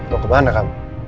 mau kemana kam